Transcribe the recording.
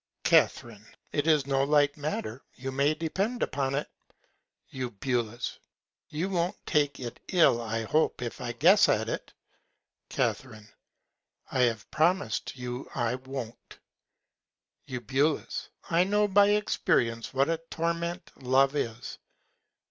Ca. It is no light Matter, you may depend upon it. Eu. You won't take it ill I hope if I guess at it. Ca. I have promis'd you I won't. Eu. I know by Experience what a Torment Love is.